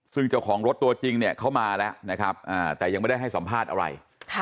ซึ่งเจ้าของรถตัวจริงเนี่ยเขามาแล้วนะครับแต่ยังไม่ได้ให้สัมภาษณ์อะไร